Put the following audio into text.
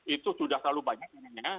itu sudah selalu banyak namanya